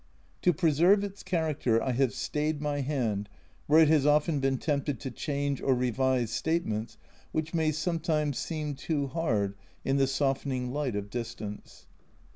To preserve its character I have stayed my hand where it has often been tempted to change or revise statements which may sometimes seem too hard in the softening light of distance.